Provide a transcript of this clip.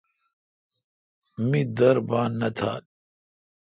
می در بان نہ تھال۔